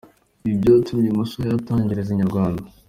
Ibi byatumye uyu musore atangariza Inyarwanda.